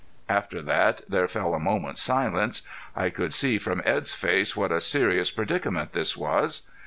After that there fell a moment's silence. I could see from Edd's face what a serious predicament this was.